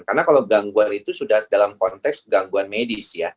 karena kalau gangguan itu sudah dalam konteks gangguan medis